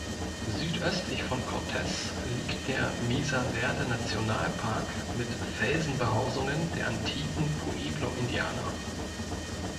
Südöstlich von Cortez liegt der Mesa-Verde-Nationalpark mit Felsenbehausungen der antiken Pueblo-Indianer.